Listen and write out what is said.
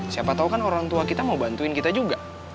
siapa tau kan orang tua kita mau bantuin kita juga